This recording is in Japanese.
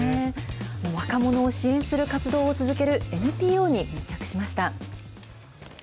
若者を支援する活動を続けるＮＰＯに密着しました。